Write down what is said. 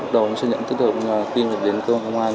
đầu nó sẽ nhận thức hợp nhưng khi đến cơ quan công an